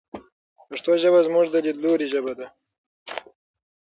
پښتو ژبه زموږ د لیدلوري ژبه ده.